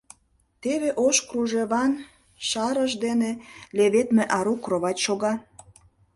Теве ош кружеван шарыш дене леведме ару кровать шога.